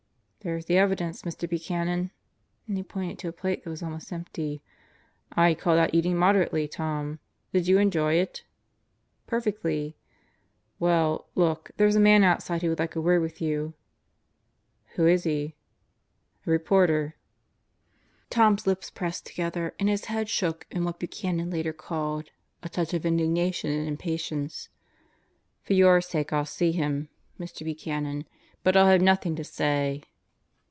"There's the evidence, Mr. Buchanan," and he pointed to a plate that was almost empty. "Fd call that eating moderately, Tom. Did you enjoy it?" "Perfectly." "Well, look. There's a man outside who would like a word with you." "Who is he?" "A reporter." Last Day on Earth 197 Tom's lips pressed together and Ms head shook in what Buchanan later called "a touch of indignation and impatience." "For your sake I'll see him, Mr. Buchanan. But I'll have nothing to say."